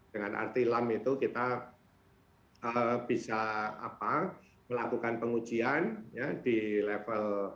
dengan arti lam itu kita bisa melakukan pengujian di level